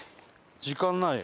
時間ないよ。